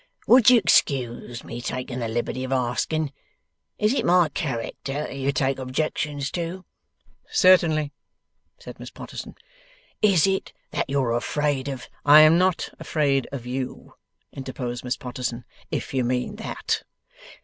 Would you 'sxcuse me taking the liberty of asking, is it my character that you take objections to?' 'Certainly,' said Miss Potterson. 'Is it that you're afraid of ' 'I am not afraid OF YOU,' interposed Miss Potterson, 'if you mean that.